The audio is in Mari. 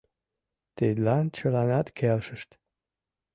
Тидлан чыланат келшышт.